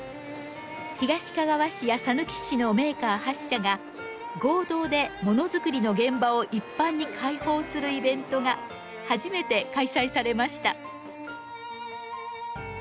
東かがわ市やさぬき市のメーカー８社が合同でものづくりの現場を一般に開放するイベントが初めて開催されました。